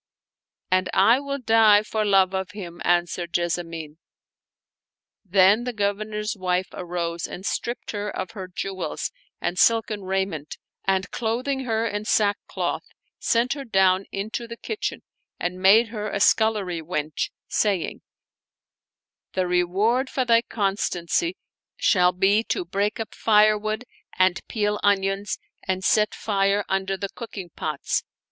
" And I will die for love of him," answered Jessamine. Then the Governor's wife arose and stripped her of her jewels and silken raiment and, clothing her in sackcloth, sent her down into the kitchen and made her a scullery wench, saying, " The reward for thy constancy shall be to break up firewood and peel onions and set fire under the cooking pots."